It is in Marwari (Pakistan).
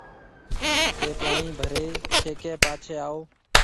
ٿَي پوڻِي ڀري ڇيڪي پاڇهيَ آو